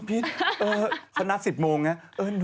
ข้าวใส่ข้าว